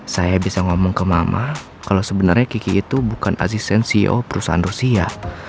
saya bisa ngomong ke mama kalau sebenarnya kiki itu bukan asisten ceo perusahaan rusia